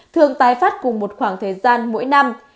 thường tái phát cùng một khoảng thời gian mỗi năm